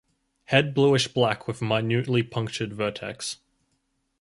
Head bluish black with minutely punctured vertex.